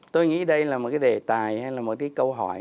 một cái đề tài hay là một cái câu hỏi